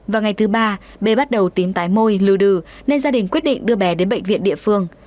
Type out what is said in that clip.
vào ngày thứ ba bé bắt đầu tím tái môi lưu đư nên gia đình quyết định đưa bé đến bệnh viện địa phương